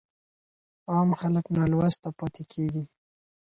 عام خلګ نالوسته پاته کيږي.